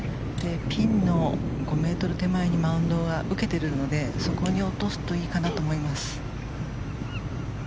ピンの５ｍ手前にマウンドが受けているのでそこに落とすといいかなと思います。